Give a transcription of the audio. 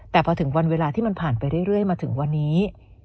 แต่พอถึงวันเวลาที่มันผ่านไปเรื่อยมาถึงวันนี้